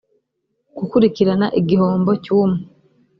gukurikirana igihombo cy umwe